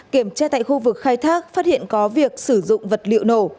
kiểm tra tại khu vực khai thác phát hiện có việc sử dụng vật liệu nổ